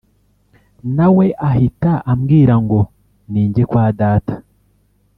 nawe ahita ambwira ngo ninjye kwa Data